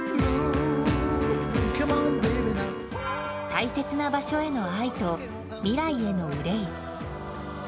大切な場所への愛と未来への憂い。